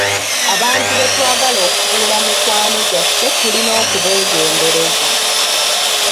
Abantu betwagala okufuula mikwano gyaffe tulina okubeegendereza.